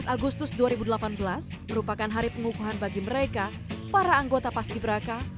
tujuh belas agustus dua ribu delapan belas merupakan hari pengukuhan bagi mereka para anggota paski beraka